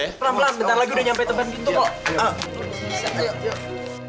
pelan pelan bentar lagi udah nyampe tempat gitu kok